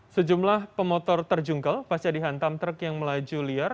sejumlah pemotor terjungkel pas jadi hantam truk yang melaju liar